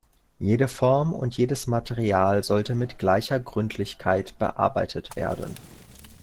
Jede Form und jedes Material sollte mit gleicher Gründlichkeit bearbeitet werden.